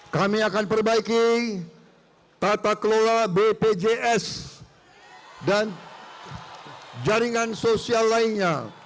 kami akan perbaiki tata kelola bpjs dan jaringan sosial lainnya